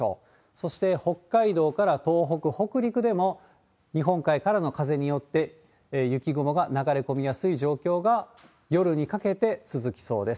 そして、北海道から東北、北陸でも、日本海からの風によって、雪雲が流れ込みやすい状況が夜にかけて続きそうです。